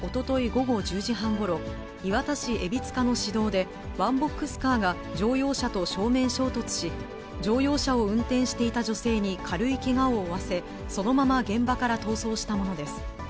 午後１０時半ごろ、磐田市海老塚の市道で、ワンボックスカーが乗用車と正面衝突し、乗用車を運転していた女性に軽いけがを負わせ、そのまま現場から逃走したものです。